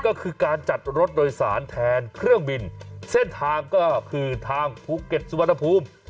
ก็คือการจัดรถโดยสารแทนเครื่องบินเส้นทางก็คือทางภูเก็ตสุวรรณภูมิ